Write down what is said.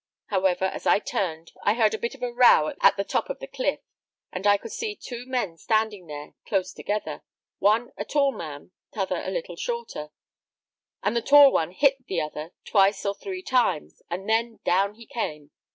However, as I turned, I heard a bit of a row at the top of the cliff, and I could see two men standing up there close together, one a tall man, t'other a little shorter; and the tall one hit the other twice or three times, and then down he came.